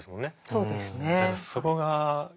そうですね。